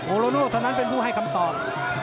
โลโน่เท่านั้นเป็นผู้ให้คำตอบ